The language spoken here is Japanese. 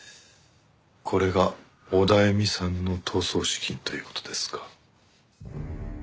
これがオダエミさんの逃走資金という事ですか。